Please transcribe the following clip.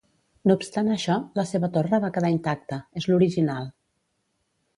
No obstant això, la seva torre va quedar intacta, és l'original.